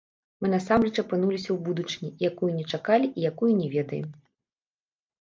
Мы насамрэч апынуліся ў будучыні, якую не чакалі і якую не ведаем.